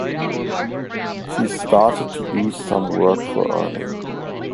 She started to do some work for earning.